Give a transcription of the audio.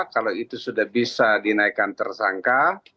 kalau itu sudah bisa dinaikkan tersangka